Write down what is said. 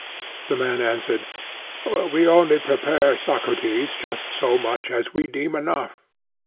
The man answered: We only prepare, Socrates, just so much as we deem enough.